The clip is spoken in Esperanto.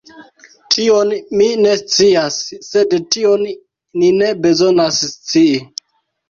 Tion mi ne scias; sed tion ni ne bezonas scii.